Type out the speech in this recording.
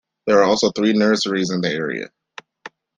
There are also three nurseries in the area.